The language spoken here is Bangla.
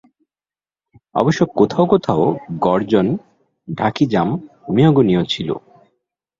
অবশ্য কোথাও কোথাও গর্জন, ঢাকিজাম, মেহগনিও ছিল।